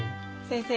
先生。